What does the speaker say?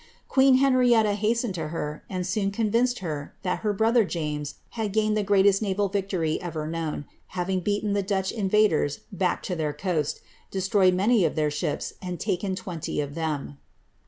Queen Henrietta hastened to her, and soon convinced her that her brother James had gained the greatest naval victory ever knowOi having beat the Dutch invaders back to their coast, destroyed many of their !<hips, and taken twenty of them.''